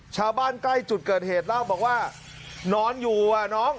ชาวบ้านใกล้จุดเกิดเหตุเล่าบอกว่านอนอยู่อ่ะน้อง